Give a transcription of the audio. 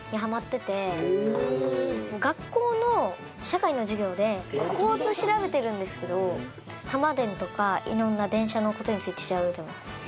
学校の社会の授業で交通調べてるんですけど玉電とか色んな電車の事について調べてます。